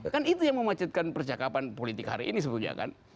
kan itu yang memacetkan percakapan politik hari ini sebetulnya kan